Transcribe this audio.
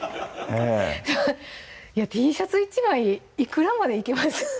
Ｔシャツ１枚いくらまでいけます？